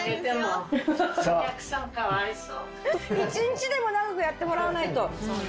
１日でも長くやってもらわないと。